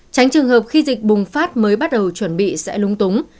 tránh trường hợp khi dịch bùng phát mới bắt đầu chuẩn bị sẽ lúng túng